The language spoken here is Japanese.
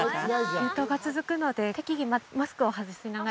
急登が続くので適宜マスクを外しながら